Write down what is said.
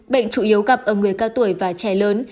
bệnh chủ yếu gặp ở người cao tuổi và trẻ lớn